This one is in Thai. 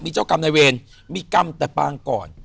เจ้ากรรมในเวรมีกรรมแต่ปางก่อน